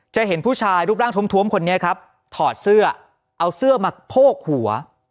จะเห็นผู้ชายรูปร่างท้วมคนนี้ครับถอดเสื้อเอาเสื้อมาโพกหัว